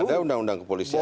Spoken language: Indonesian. ada undang undang kepolisian